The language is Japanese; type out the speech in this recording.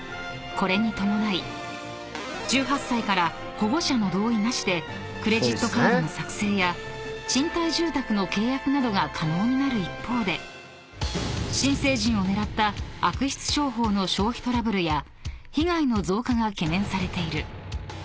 これに伴い１８歳から保護者の同意なしでクレジットカードの作成や賃貸住宅の契約などが可能になる一方で新成人を狙った悪質商法の消費トラブルや被害の増加が懸念されている］